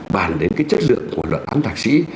bàn đến cái chất lượng của luận án thạc sĩ